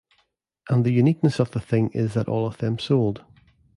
And the uniqueness of the thing is that all of them sold.